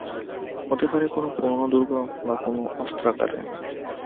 হতে পারে কোনও পুরানো দুর্গ বা কোনও অস্ত্রাগারে।